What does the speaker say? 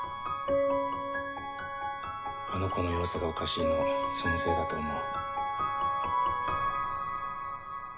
あの子の様子がおかしいのそのせいだと思う。